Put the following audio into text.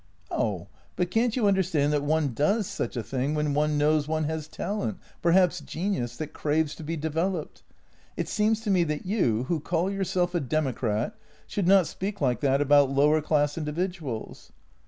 " Oh, but can't you understand that one does such a thing when one knows one has talent — perhaps genius — that craves to be developed? It seems to me that you, who call yourself a democrat, should not speak like that about lower class in dividuals."